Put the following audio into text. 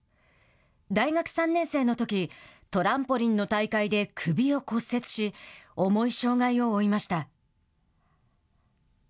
大学３年生のときトランポリンの大会で首を骨折し重い障害を負いました。